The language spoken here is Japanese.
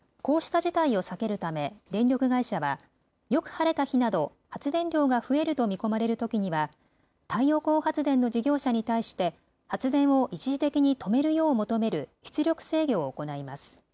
こうした事態を避けるため電力会社はよく晴れた日など発電量が増えると見込まれるときには太陽光発電の事業者に対して発電を一時的に止めるよう求める出力制御を行います。